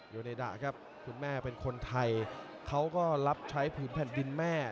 เนดะครับคุณแม่เป็นคนไทยเขาก็รับใช้ผืนแผ่นดินแม่